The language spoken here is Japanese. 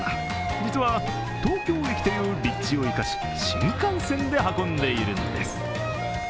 実は、東京駅という立地を生かし新幹線で運んでいるんです。